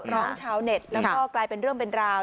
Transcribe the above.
ร้องชาวเน็ตกลายเป็นเรื่องเป็นราว